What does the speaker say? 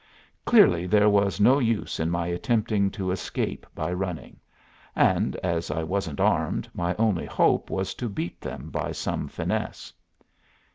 Clearly there was no use in my attempting to escape by running. And, as I wasn't armed, my only hope was to beat them by some finesse.